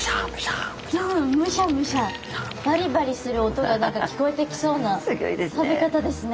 うんむしゃむしゃバリバリする音が何か聞こえてきそうな食べ方ですね。